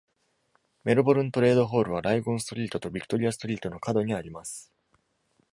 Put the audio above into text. メルボルントレードホールはライゴンストリートとビクトリアストリートの角にあります。